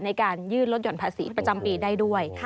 ในการยื่นลดหย่อนภาษีประจำปีได้ด้วย